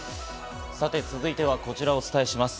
続いてはこちらをお伝えします。